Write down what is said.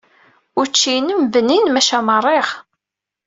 Učči-inem bnin maca meṛṛiɣ.